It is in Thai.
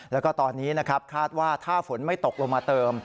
แล้วก็ตอนนี้นะครับคาดว่าถ้าฝนไม่ตกลงมาเติม